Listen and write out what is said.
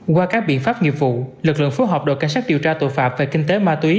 qua các biện pháp nghiệp vụ lực lượng phối hợp đội cảnh sát điều tra tội phạm về kinh tế ma túy